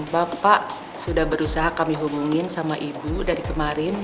bapak sudah berusaha kami hubungin sama ibu dari kemarin